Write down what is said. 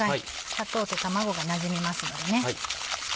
砂糖と卵がなじみますのでね。